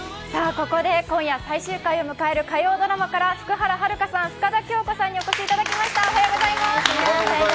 ここで今夜最終回を迎える火曜ドラマから福原遥さん、深田恭子さんにお越しいただきました。